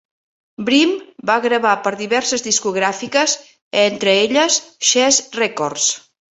Brim va gravar per diverses discogràfiques, entre elles Chess Records.